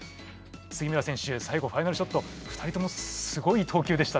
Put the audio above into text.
杉村選手さいごファイナルショット２人ともすごい投球でしたね。